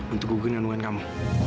untuk gugur nandungan kamu